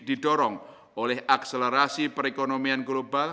didorong oleh akselerasi perekonomian global